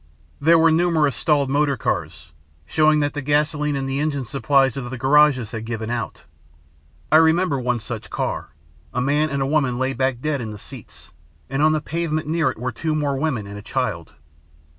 "There were numerous stalled motor cars, showing that the gasoline and the engine supplies of the garages had given out. I remember one such car. A man and a woman lay back dead in the seats, and on the pavement near it were two more women and a child.